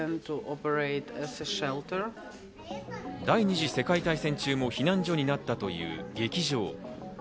第２次世界大戦中も避難所になったという劇場。